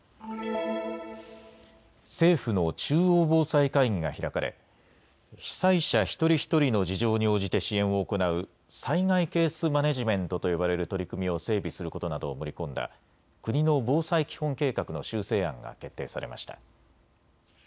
政府の中央防災会議が開かれ被災者一人一人の事情に応じて支援を行う災害ケースマネジメントと呼ばれる取り組みを整備することなどを盛り込んだ国の防災基本計画の修正案が決定されました。